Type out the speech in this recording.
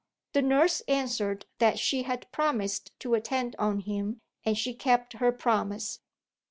The nurse answered that she had promised to attend on him and she kept her promise.